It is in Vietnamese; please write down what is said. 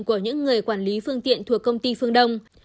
của những người quản lý phương tiện thuộc công ty phương đông